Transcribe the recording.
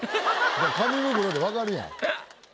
「紙袋」でわかるやん。